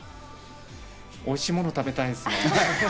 おいしいものを食べたいですね。